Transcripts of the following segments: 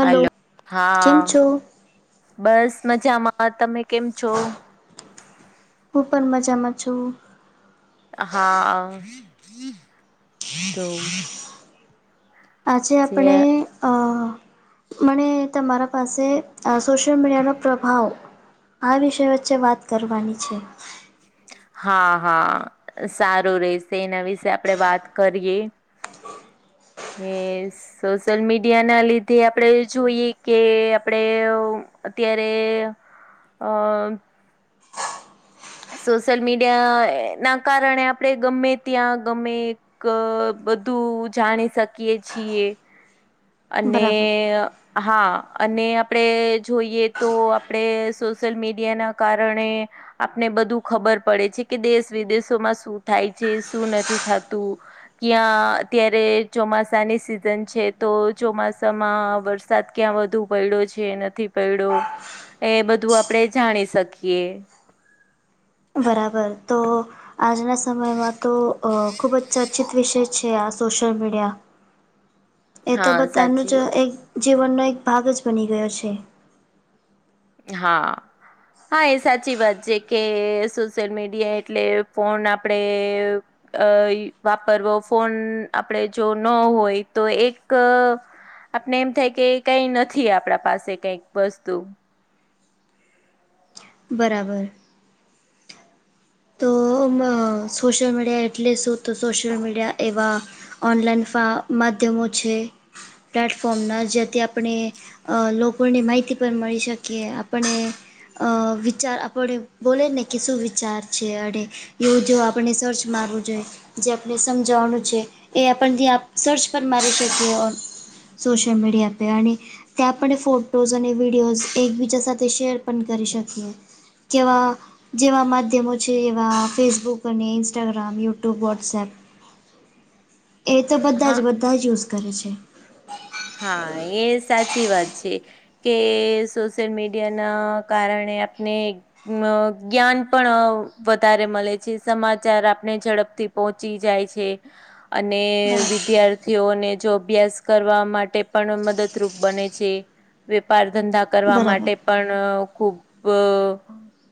Hello કેમ હા છો બસ મજામાં તમે કેમ છો હું પણ મજામાં છું હા તો આજે આપણે જે મને તમારા પાસે સોશિયલ મીડિયાનો પ્રભાવ આ વિષય વચ્ચે વાત કરવાની છે હા હા સારું રહશે એના વિશે આપણે વાત કરીયે કેસ સોશિયલ મીડિયા ના લીધે આપણે જોઈએ કે આપણેે અત્યારે અ સોશિયલ મીડિયા ના કારણે આપણે ગમે ત્યાં ગમે બધું જાણી શકીએ છીએ અને બરાબર હા અને આપણે જોઈએ તો આપણે સોશિયલ મીડિયાના કારણે આપને બધું ખબર પડે છે કે દેશ વિદેશોમાં શું થાય છે શું નથી થતું. ક્યાં અત્યારે ચોમાસા નિ શિશન છે. તો ચોમાસામાં વરસાદ ક્યાં વધુ છે કે નથી પડયો એ બધું આપણે જાણી શકીએ બરાબર તો સમયમાં તો અ ખૂબ જ ચર્ચિત વિષય છે સોશિયલ મીડિયા એ તો હા બધાનું સાચી જ વાત એક જીવનનો એક ભાગ જ બની ગયો છે. હા. હા સાચી વાત કે સોશિયલ મીડિયા એટલે ફોન આપણેે અ વાપરવો ફોન આપણે જો ન હોય તો એક આપણે એમ થાય કે કઈ નથી આપણા પાસે કઈક વસ્તુ બરાબર તો સોશિયલ મીડિયા એટલે શું તો સોશિયલ મીડિયા એવા ઓનલાઈન ફા માધ્યમો પ્લેટફોર્મના જેથી આપણે અ લોકોને માહિતી પણ મળી શકીએ આપને અ વિચાર આપણે બોલે ને કે શું વિચાર છે અને એવું જો આપણે સર્ચ મારવું જોઈએ જે આપને સમજાવવાનું છે એ આપણ ત્યાં સર્ચ પર મારી શકીએ સોશિયલ મીડિયા પરે અને આપણે ફોટોઝ અને વિડીયોઝ એકબીજા સાથે શેર પણ કરી શકિએ કેવા જેવા માધ્યમો જેવા ફેસબુક અને ઇન્સ્ટાગ્રામ યુટ્યુબ વોટ્સએપ એ તો બધા હા. જ બધા જ યુઝ કરે છે. હા એ સાચી વાત છે. કે સોશિયલ મીડિયા ના કારણે આપને અ જ્ઞાન પણ વધારે મળે છે સમાચાર આપણે ઝડપથી પહોંચી જાય છે. [inaudible] અને બરાબર વિદ્યાર્થીઓને જો અભ્યાસ કરવા માટે પણ મદદરૂપ બને છે વેપાર ધંધા કરવા બરાબર માટે પણ ખૂબ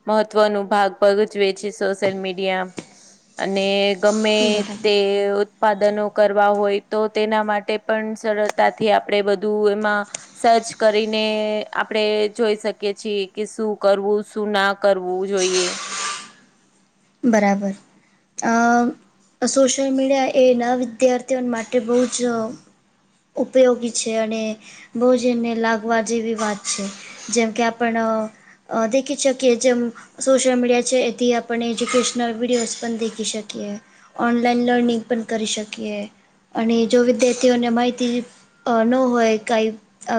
મહત્વ ન ભાગ ભગજવે છે સોશિયલ મીડિયા અને ગમે તે બરાબર. ઉત્પાદનો કરવા હોય તો તેના માટે પણ સરત તથી આપણેે બધું એમાં સર્ચ કરીને આપડે જોઈ શકીએ છીએ કે શું કરવું શું ના કરવું જોઈએ બરાબર સોશિયલ મીડિયા એના વિદ્યાર્થીઓ માટે બહુ જ ઉપયોગી છે અને બહજનને લાગવા જેવી વાત છે જેમ કે આપણ અ દેખી શકીએ જેમ સોશિયલ મીડિયા છે એથી આપણે એજ્યુકેશનલ વિડીયોઝ પણ દેખી શકીએ ઓનલાઈન લર્નિંગ પણ કરી શકીએ અને જો વિદ્યાર્થીઓને માહિતી અ ન હોય કંઈ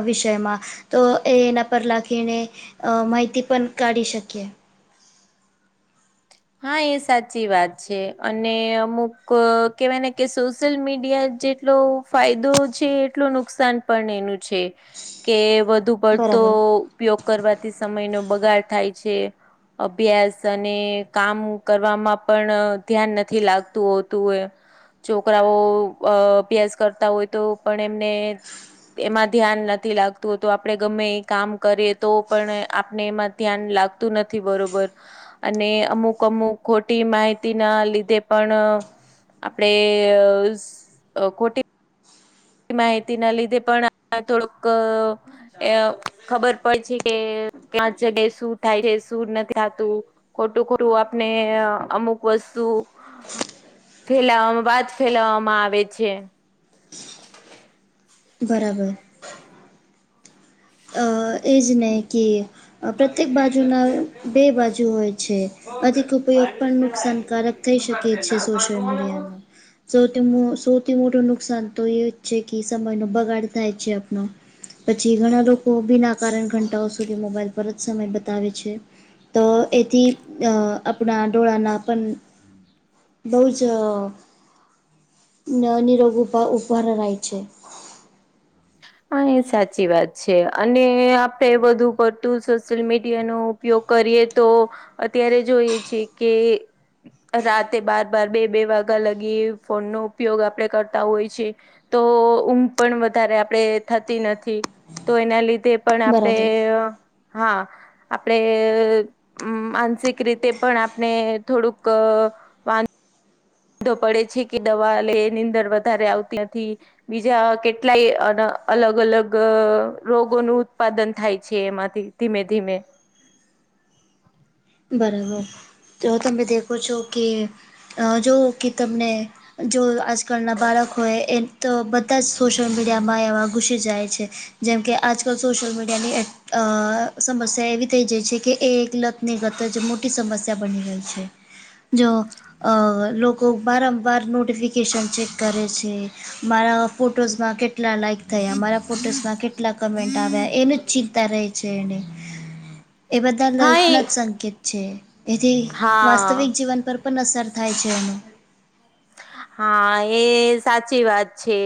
વિષયમાં તો એ એના પર લખીને અ માહિતી પણ કાઢી શકીએ હા એ સાચી વાત છે અને અમુક કેહેવાય ને કે સોશિયલ મીડિયા જે એટલો ફાયદો છે એટલો નુકસાન પણ એનું છે કે વધુ પર તો બરાબર ઉપયોગ કરવાથી સમય નો બગાડ થાય છે અભ્યાસ અને કામ કરવામાં પણ ધ્યાન નથી લાગતું હોતું હોય છોકરાઓ અભ્યાસ કરતા હોય તો પણ એમને એમાં ધ્યાન નથી લાગતું તો આપણે ગમે એ કામ કરીએ તો પણ આપણે એમાં ધ્યાન લાગતું નથી બરોબર અને અમુક અમુક ખોટી માહિતી ના લીધે પણ આપણેે અ ખોટી માહિતી ના લીધે પણ આ થોડુંક એ ખબર પડે છે કે ક્યા જગ્યાએ શું થાય છે શું નથી થાતું ખોટું ખોટું આપને અમુક વસ્તુ ફેલાવવામાં વાત ફેલાવામાં આવે છે બરાબર અ એજ ને કે પ્રત્યેક બાજુના બે બાજુ હોય છે અધિક ઉપયોગ પણ નુકસાનકારક થઈ શકે છે સોશિયલ મીડિયાનો સૌથી સૌથી મોટું નુકસાન એ જ છે કે સમયનો બગાડ છે આપનો પછી ઘણા લોકો બીના કારણ ઘંટાઓ સુધી મોબાઈલ પર જ સમય બતાવે છે તો એથી આપણા ડોળાનાપન બઉ જ ન [unintelligible] હા એ સાચી વાત છે અને આપડે બધું પડતું સોશિયલ મીડિયાનું ઉપયોગ કરીએ તો અત્યારે જોઈએ છે કે રાતે બાર બાર બે બે વાગ્યા લગી ફોન નો ઉપયોગ આપણે કરતા હોય છે તો ઊંઘ પણ વધારે આપ આપણેે થતી નથી તો એના લીધે પણ આપણે બરાબર. હા આપણે હમ માનસિક રીતે પણ આપણે થોડુંક પડે છે કે દવા લે એની અંદર વધારે આવતી નથી બીજા કેટલાય અલગ અલગ રોગોનું ઉત્પાદન થાય છે એમાંથી ધીમે ધીમે બરાબર તો તમે દેખો છો કે અ જો કે તમને જો આજકાલના બાળક હોય એ તો બધા સોશિયલ મીડિયામાં એવા ઘુસી જાય છે જેમકે આજકાલ સોશિયલ મીડિયાની અ સમસ્યા એવી થઈ જાય છે કે એ એક લત ની લટ જ મોટી સમસ્યા બની ગઈ છે જો અ લોકો વારંવાર નોટિફિકેશન ચેક કરે છે મારા ફોટોઝમાં કેટલા લાઈક થયા મારા ફોટોસમાં કેટલા કમેન્ટ આવ્યા એનું જ ચિંતા રહે છે એને એ બધા હા લત એ ના જ સંકેત છે એથી વાસ્તવિક હા જીવન પર પણ અસર થાય છે એનો હા એ સાચી વાત છે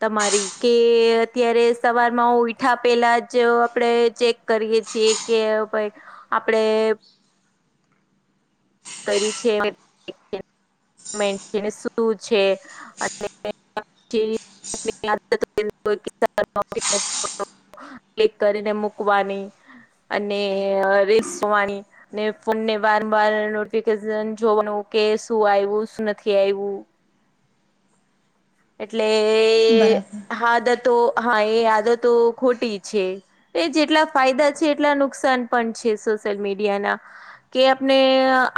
તમારી કે અત્યારે સવારમાં ઉઈઠા પેલા જ આપણેે ચેક કરીએ છીએ, કે ભઈ આપડે કરી છે કે [unintelligible] શું છે અને [inaudible] ક્લિક કરીને મૂકવાની અને રેસવાની. ને ફોનને વારંવાર નોટિફિકેશન જોવાનું કે શું આયવું શું નથી આયવું. એટલે એ બરાબર હાદતો હા એ આદતો ખોટી છે. એ જેટલા ફાયદા છે એટલા નુકસાન પણ છે સોશિયલ મીડિયાના. કે આપણે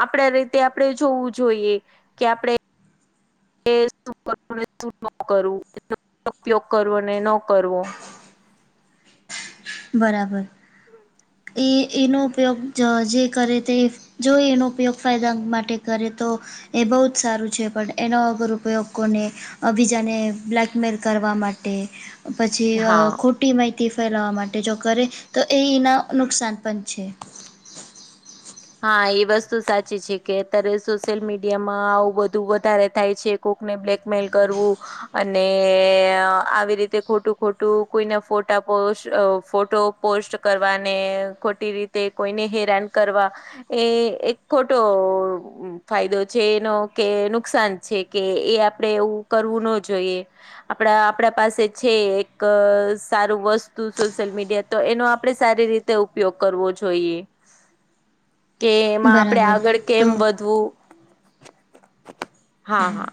આપડા રીતે આપણે જોવું જોઈએ કે આપણે એ શું કરવું ને શું ન કરવું, એનો ઉપયોગ કરવો ને ન કરવો. બરાબર એ એનો ઉપયોગ જ જે કરે તે જો એનો ઉપયોગ ફાયદા માટે કરે તો, એ બહુ જ સારું છે પણ એનો વગર ઉપયોગ કોને અ બીજાને બ્લેકમેલ કરવા માટે, પછી અ હા ખોટી માહિતી ફેલાવા માટે જો કરે તો એ ઈના નુકસાન પણ છે. હા એ વસ્તુ સાચી છે કે અત્યારે સોશિયલ મીડિયામાં આવું બધું વધારે થાય છે. કોક ને બ્લેકમેલ કરવું, અને અ આવી રીતે ખોટું ખોટું કોઈના ફોટા પોસ્ટ ફોટો પોસ્ટ કરવા ને ખોટી રીતે કોઈને હેરાન કરવા, એ એક ખોટો ફાયદો છે એનો કે નુકસાન છે કે એ આપડે એવું કરવું ન જોઈએ. આપણા આપણા પાસે છે એક સારું વસ્તુ સોશિયલ મીડિયા તો એનો આપડે સારી રી તે ઉપયોગ કરવો જોઈએ. કે એમાં આપડે બરાબર આગળ કેમ તો વધવું, હા હા.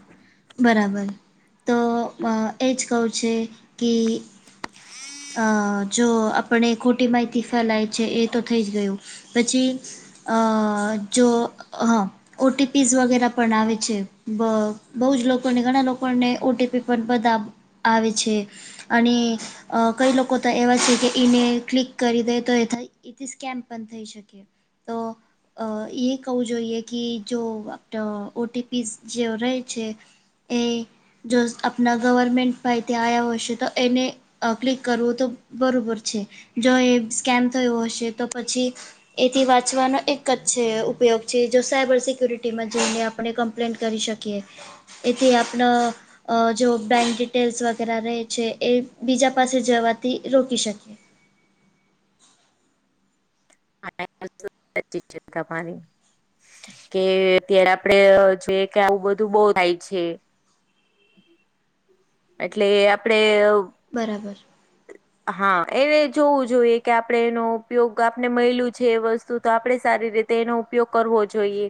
બરાબર તો અ એજ કહું છે કે અ જો આપણે ખોટી માહિતી ફેલાય છે એ તો થઈ જ ગયું. પછી અ જો હ ઓ ટી પી ઝ વગેરે પણ આવે છે, બ બહુ જ લોકોને ઘણા લોકોને ઓ ટી પી પણ બધા આવે છે. અને અ કઈ લોકો તો એવા છે કે ઈને ક્લિક કરી દે તો એ થાય. એથી સ્કેમ્પ પણ થઈ શકે, તો અ એ કવું જોઈએ કે જો ઓટીપીઝ જે રહે છે એ જો આપણા ગવર્મેન્ટમાં ઈ તે આયા હશે તો એને અ ક્લિક કરવું તો બરોબર છે જો એ સ્કેમ થયો હશે તો પછી એથી વાંચવાનો એક જ છે ઉપયોગ છે જો સાયબર સિક્યુરિટીમાં જોઈને આપ આપણે કમ્પ્લેન્ટ કરી શકીએ. એથી આપન અ જો બેંક ડિટેલ્સ વગેરે રહે છે એ બીજા પાસે જવાથી રોકી શકીએ. [inaudible] કે અત્યારે આપડે જોઈએ કે આવું બધું બઉ થાય છે. [inaudible] એટલે એ આપડે બરાબર હા, એવે જોવું જોઈએ કે આપણે એનો ઉપયોગ આપણે મયલું છે. એ વસ્તુ તો આપણે સારી રીતે એનો ઉપયોગ કરવો જોઈએ.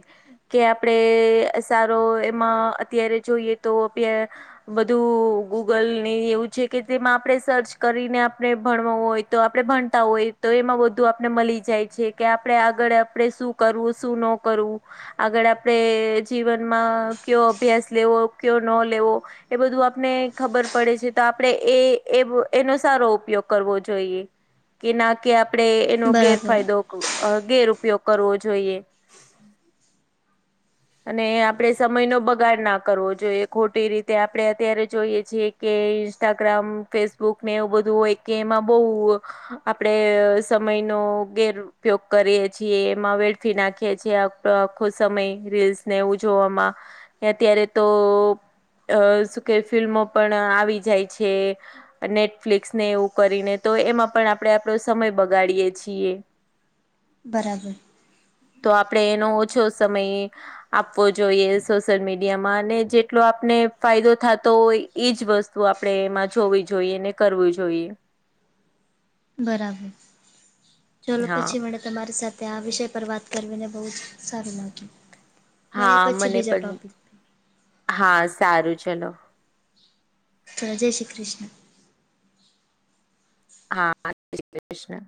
કે આપણે સારો એમાં અત્યારે જોઈએ તો બે બધું ગૂગલની એવું છે, કે તેમાં આપણે સર્ચ કરીને આપણે ભણવા હોય તો આપણે ભણતા હોય તો એમાં બધુ આપણે મલી જાય છે, કે આપડે આગળ આપણે શું કરવું શું ન કરવું? આગળ આપડે જીવનમાં કયો અભ્યાસ લેવો કયો ન લેવો?? એ બધું આપને ખબર પડે છે, તો આપણે એ એનો સારો ઉપયોગ કરવો જોઈએ. કે ના કે આપણેે એનો બરાબર ગેરફાયદો, અ ગેર ઉપયોગ કરવો જોઈએ. અને આપણેે સમય નો બગાડ ના કરવો જોઈએ, ખોટી રીતે આપણે અત્યારે જોઈએ છીએ. કે ઇન્સ્ટાગ્રામ, ફેસબુક ને એવું બધું હોય, કે એમાં બહુ આપડે સમય નો ગેરઉયોગ કરીએ છીએ, એમાં વેડફી નાખીએ છીએ. આખો સમય રીલ્સ ને એવું જોવામાં અત્યારે તો અ શું કે ફિલ્મો પણ આવી જાય છે. નેટફ્લિકસ ને એવું કરીને તો એમાં પણ આપણે આપણો સમય બગાડીએે છીએ. બરાબર તો આપડે એનો ઓછો સમય આપવો જોઈએ સોશિયલ મીડિયામાં અને જેટલો આપને ફાયદો થતો હોય. એજ વસ્તુ આપણે એમાં જોવી જોઈએ, ને કરવી જોઈએ. બરાબર ચલો હા પછી મળયા. [inaudible] તમારી સાથે આ વિષય પર વાત કરી મને બહુ જ સારું લાગ્યું મળે હા, પછી મને બીજા પણ ટોપિક પર. હા સારું ચલો. જય શ્રી કૃષ્ણ! હા જય શ્રી કૃષ્ણ! !